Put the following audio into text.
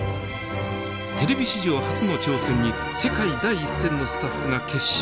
テレビ史上初の挑戦に世界第一線のスタッフが結集。